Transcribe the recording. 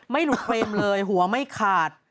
ไม่หลุดเฟรมเลยหัวไม่ขาด